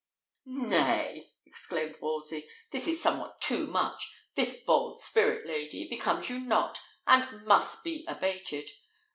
"Nay!" exclaimed Wolsey, "this is somewhat too much. This bold spirit, lady, becomes you not, and must be abated.